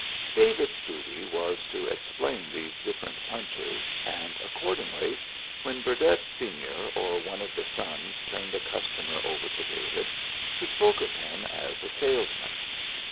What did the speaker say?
David's duty was to explain these different punches, and accordingly when Burdett Senior or one of the sons turned a customer over to David he spoke of him as a salesman.